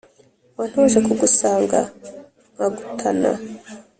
wantoje kugusanga nkagutana